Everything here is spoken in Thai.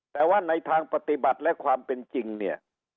แต่ว่าในทางปฏิบัติและความเป็นจริงเนี่ย